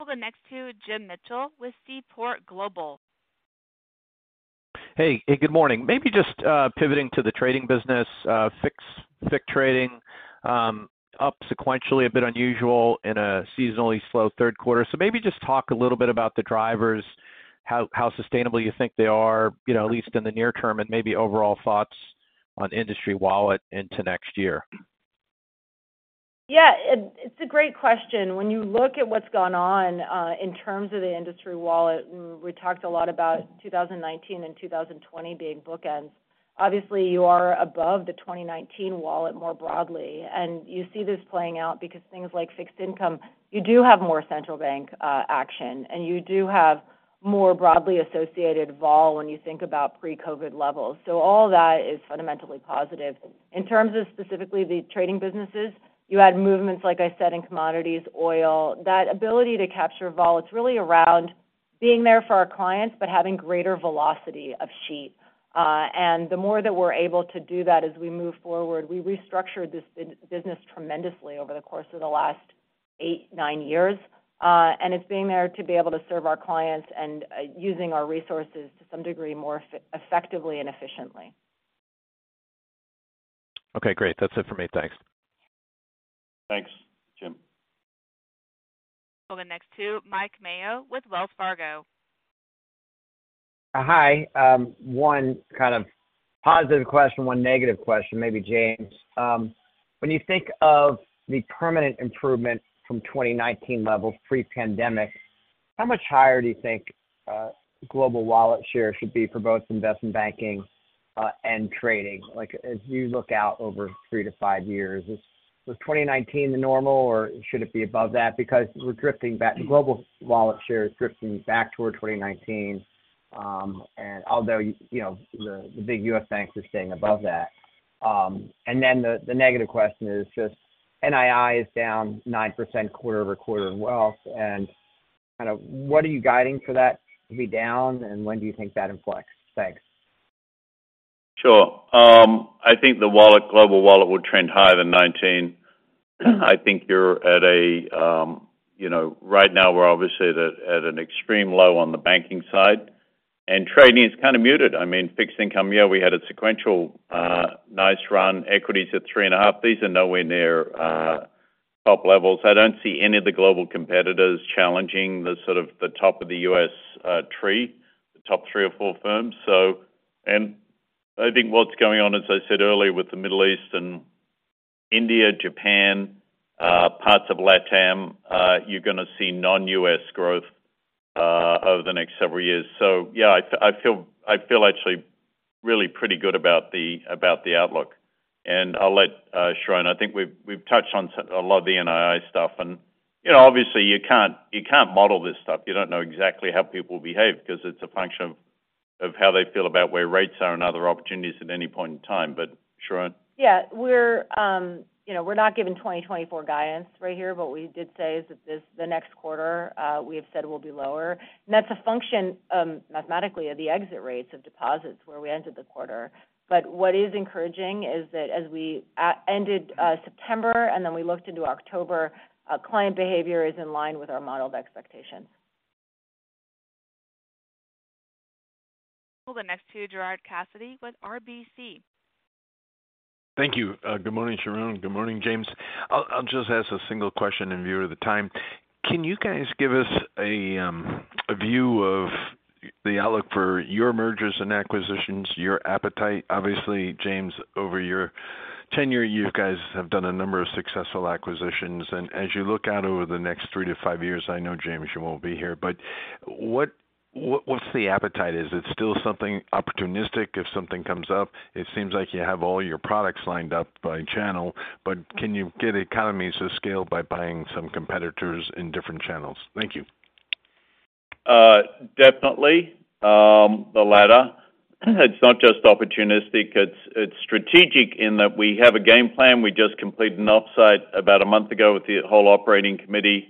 the next to Jim Mitchell with Seaport Global. Hey. Hey, good morning. Maybe just pivoting to the trading business, FICC trading, up sequentially, a bit unusual in a seasonally slow third quarter. So maybe just talk a little bit about the drivers, how sustainable you think they are, you know, at least in the near term, and maybe overall thoughts on industry wallet into next year. Yeah, it, it's a great question. When you look at what's gone on, in terms of the industry wallet, and we talked a lot about 2019 and 2020 being bookends. Obviously, you are above the 2019 wallet more broadly, and you see this playing out because things like fixed income, you do have more central bank, action, and you do have more broadly associated vol when you think about pre-COVID levels. So all that is fundamentally positive. In terms of specifically the trading businesses, you add movements, like I said, in commodities, oil. That ability to capture vol, it's really around being there for our clients, but having greater velocity of sheet. The more that we're able to do that as we move forward, we restructured this business tremendously over the course of the last eight, nine years, and it's being there to be able to serve our clients and, using our resources to some degree, more effectively and efficiently. Okay, great. That's it for me. Thanks. Thanks, Jim. Well, the next to Mike Mayo with Wells Fargo. Hi. One kind of positive question, one negative question, maybe, James. When you think of the permanent improvement from 2019 levels, pre-pandemic, how much higher do you think global wallet share should be for both investment banking and trading? Like, as you look out over three to five years, was 2019 the normal, or should it be above that? Because we're drifting back... Global wallet share is drifting back toward 2019, and although, you know, the big US banks are staying above that. And then the negative question is just NII is down 9% quarter-over-quarter in wealth, and kind of what are you guiding for that to be down, and when do you think that influx? Thanks. Sure. I think the wallet, global wallet will trend higher than 19. I think you're at a, you know, right now we're obviously at an extreme low on the banking side, and trading is kind of muted. I mean, fixed income, yeah, we had a sequential, nice run, equities at 3.5. These are nowhere near, top levels. I don't see any of the global competitors challenging the sort of the top of the U.S., tree, the top three or four firms. So... And I think what's going on, as I said earlier, with the Middle East and India, Japan, parts of Latam, you're going to see non-U.S. growth, over the next several years. So, yeah, I feel, I feel actually really pretty good about the outlook. I'll let Sharon. I think we've touched on a lot of the NII stuff, and, you know, obviously you can't model this stuff. You don't know exactly how people behave because it's a function of how they feel about where rates are and other opportunities at any point in time, but Sharon? Yeah, we're, you know, we're not giving 2024 guidance right here, but we did say is that this, the next quarter, we have said will be lower. And that's a function, mathematically, of the exit rates of deposits where we ended the quarter. But what is encouraging is that as we ended, September, and then we looked into October, client behavior is in line with our modeled expectations. Well, the next to Gerard Cassidy with RBC. Thank you. Good morning, Sharon. Good morning, James. I'll, I'll just ask a single question in view of the time. Can you guys give us a view of the outlook for your mergers and acquisitions, your appetite? Obviously, James, over your tenure, you guys have done a number of successful acquisitions, and as you look out over the next three to five years, I know, James, you won't be here, but what, what, what's the appetite? Is it still something opportunistic if something comes up? It seems like you have all your products lined up by channel, but can you get economies to scale by buying some competitors in different channels? Thank you. Definitely, the latter. It's not just opportunistic, it's strategic in that we have a game plan. We just completed an off-site about a month ago with the whole operating committee,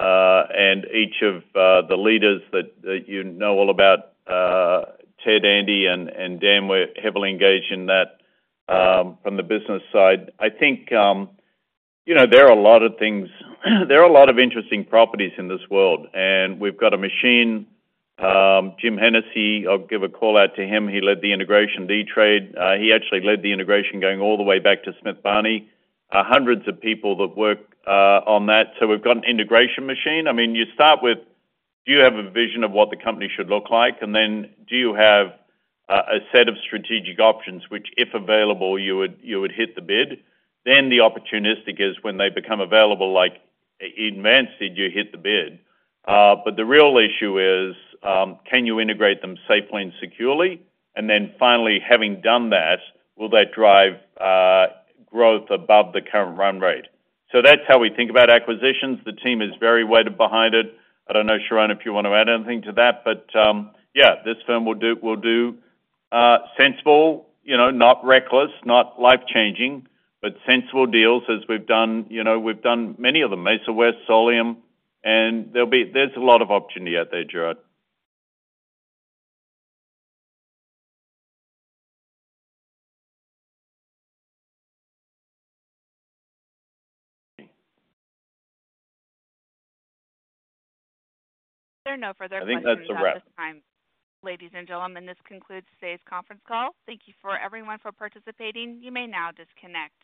and each of the leaders that you know all about, Ted, Andy and Dan, we're heavily engaged in that, from the business side. I think, you know, there are a lot of things. There are a lot of interesting properties in this world, and we've got a machine. Jim Hennessey, I'll give a call out to him. He led the integration E*TRADE. He actually led the integration going all the way back to Smith Barney. Hundreds of people that worked on that. So we've got an integration machine. I mean, you start with, do you have a vision of what the company should look like? Then, do you have a set of strategic options, which, if available, you would hit the bid? Then the opportunistic is when they become available, like in infancy, do you hit the bid? But the real issue is, can you integrate them safely and securely? And then finally, having done that, will that drive growth above the current run rate? So that's how we think about acquisitions. The team is very weighted behind it. I don't know, Sharon, if you want to add anything to that, but, yeah, this firm will do, will do sensible, you know, not reckless, not life-changing, but sensible deals as we've done, you know, we've done many of them, Mesa West, Solium, and there'll be—there's a lot of opportunity out there, Gerard. There are no further questions at this time. I think that's a wrap. Ladies and gentlemen, this concludes today's conference call. Thank you for everyone for participating. You may now disconnect.